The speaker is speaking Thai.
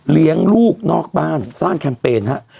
เลี้ยงลูกนอกบ้านสร้างแคมเปญฮะ